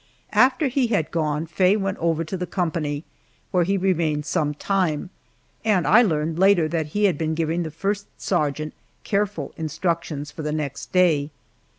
After he had gone, Faye went over to the company, where he remained some time, and I learned later that he had been giving the first sergeant careful instructions for the next day.